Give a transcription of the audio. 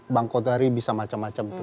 bang kodari bisa macam macam tuh